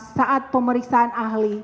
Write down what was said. saat pemeriksaan ahli